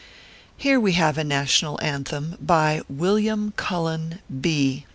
Here we have a NATIONAL ANTHEM BY WILLIAM CULLEX B